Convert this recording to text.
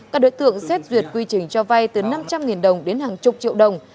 các đối tượng xét duyệt quy trình cho vay từ năm trăm linh đồng đến hàng chục triệu đồng